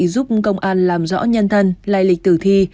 giúp công an làm rõ nhân thân lai lịch tử thi